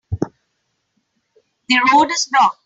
The road is blocked.